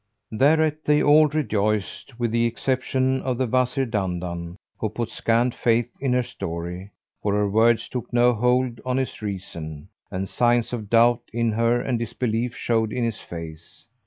Thereat they all rejoiced with the exception of the Wazir Dandan, who put scant faith in her story, for her words took no hold on his reason, and signs of doubt in her and disbelief showed in his face.